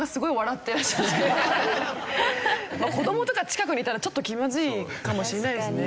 子どもとか近くにいたらちょっと気まずいかもしれないですね